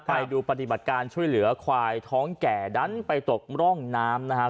ไปดูปฏิบัติการช่วยเหลือควายท้องแก่ดันไปตกร่องน้ำนะครับ